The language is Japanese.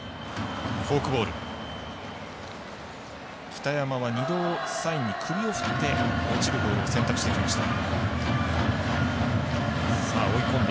北山は２度サインに首を振って落ちるボールを選択してきました。